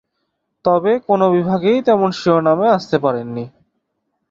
তবে কোন বিভাগেই তেমন শিরোনামে আসতে পারেননি।